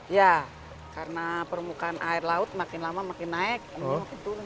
ya karena permukaan air laut makin lama makin naik turun